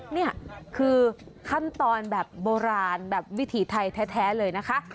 นี่คือขั้นตอนแบบโบราณแบบวิถีไทยแท้เลยนะคะ